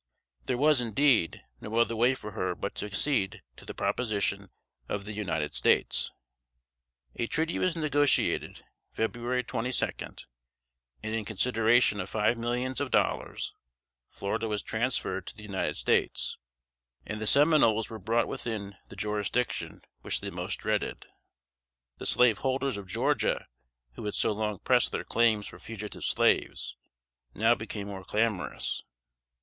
There was, indeed, no other way for her but to accede to the proposition of the United States. [Sidenote: 1819.] A treaty was negotiated (February 22), and in consideration of five millions of dollars, Florida was transferred to the United States, and the Seminoles were brought within the jurisdiction which they most dreaded. The slaveholders of Georgia, who had so long pressed their claims for fugitive slaves, now became more clamorous.